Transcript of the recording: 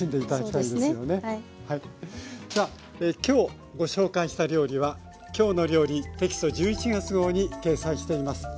さあ今日ご紹介した料理は「きょうの料理」テキスト１１月号に掲載しています。